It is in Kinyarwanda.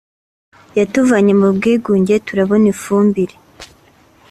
yatuvanye mu bwigunge turabona ifumbire